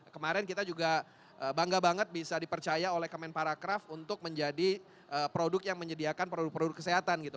kemarin kita juga bangga banget bisa dipercaya oleh kemenparacraf untuk menjadi produk yang menyediakan produk produk kesehatan gitu